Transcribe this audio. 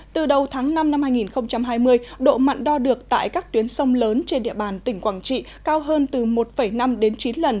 từ đầu tháng năm năm hai nghìn hai mươi độ mặn đo được tại các tuyến sông lớn trên địa bàn tỉnh quảng trị cao hơn từ một năm đến chín lần